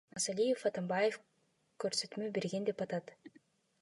Масалиев Атамбаев көрсөтмө берген деп атат.